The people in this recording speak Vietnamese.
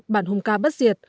bản hùng ca bất diệt